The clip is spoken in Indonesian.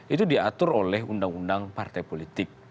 itu diatur oleh undang undang partai politik